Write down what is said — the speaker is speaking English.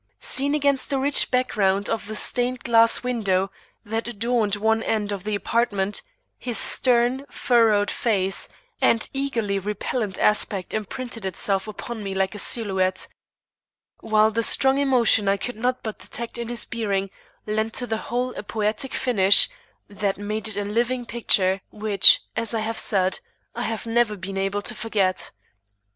Seen against the rich background of the stained glass window that adorned one end of the apartment, his stern, furrowed face and eagerly repellant aspect imprinted itself upon me like a silhouette, while the strong emotion I could not but detect in his bearing, lent to the whole a poetic finish that made it a living picture which, as I have said, I have never been able to forget.